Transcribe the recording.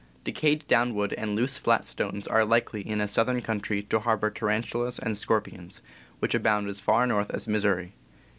Decayed down wood and loose, flat stones are likely, in a southern country, to harbor tarantulas and scorpions, which abound as far north as Missouri.